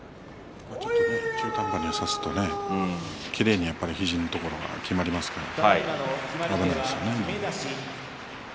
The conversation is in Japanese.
中途半端に差すときれいに傷のところがきまりますからね。